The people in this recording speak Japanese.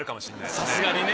さすがにね。